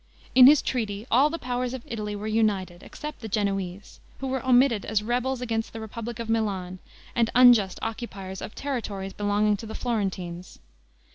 In this treaty all the powers of Italy were united, except the Genoese, who were omitted as rebels against the republic of Milan, and unjust occupiers of territories belonging to the Florentines.